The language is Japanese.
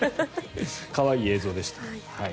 可愛い映像でした。